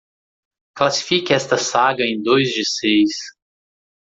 Classifique esta saga em dois de seis.